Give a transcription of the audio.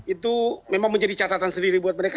itu memang menjadi catatan sendiri buat mereka